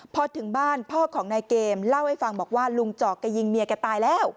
พอถึงบ้านพ่อของนายเกมเล่าให้ฟังบอกว่าลุงจอกแกยิงเมียแกตายแล้ว